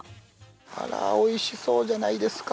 あらおいしそうじゃないですか。